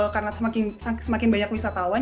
karena semakin banyak wisatawan